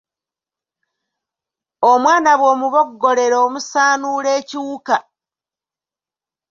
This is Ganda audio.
"Omwana bw’omuboggolera, omusaanuula ekiwuka."